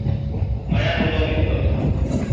মায়া হল অবিদ্যা।